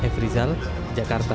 f rizal jakarta